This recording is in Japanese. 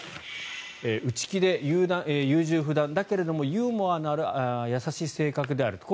内気で優柔不断だけれどもユーモアのある優しい性格であると。